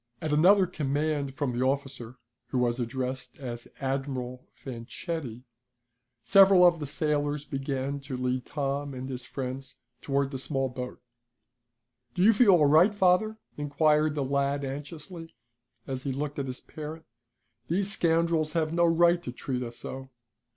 At another command from the officer, who was addressed as Admiral Fanchetti, several of the sailors began to lead Tom and his friends toward the small boat. "Do you feel all right, father?" inquired the lad anxiously, as he looked at his parent. "These scoundrels have no right to treat us so."